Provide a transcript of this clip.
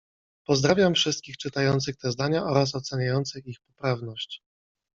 Pozdrawiam wszystkich czytających te zdania oraz oceniających ich poprawność.